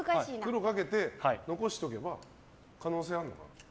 黒に賭けて残しておけば可能性あるのかな。